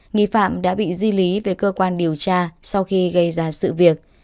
nghi phạm đã bị di lý về cơ quan điều tra sau khi gây ra sự việc